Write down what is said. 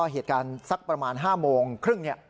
เหตุการณ์สักประมาณ๕โมงครึ่ง